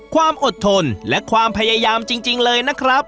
ความอดทนและความพยายามจริงเลยนะครับ